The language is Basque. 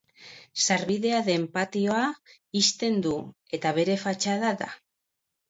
Sarbidea den patioa ixten du eta bere fatxada da.